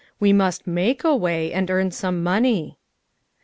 We must make a way to earn some money."